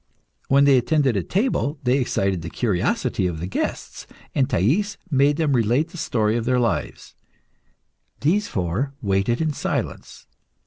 When they attended at table they excited the curiosity of the guests, and Thais made them relate the story of their lives. These four waited in silence.